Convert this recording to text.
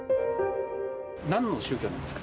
なんの宗教なんですか？